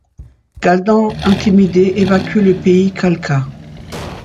Galdan intimidé évacue le pays Khalkha.